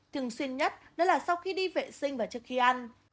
thường xuyên nhất đó là sau khi đi vệ sinh và trước khi ăn